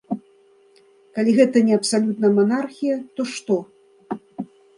Калі гэта не абсалютная манархія, то што?